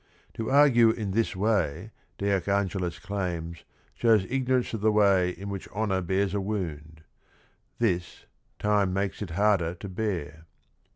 To argue in this way, de Archangelis claims, shows ignorance of the way in which honor bears a wound: thi s, time makes it harder to bea r.